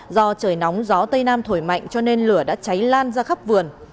do trời nóng gió tây nam thổi mạnh cho nên lửa đã cháy lan ra khắp vườn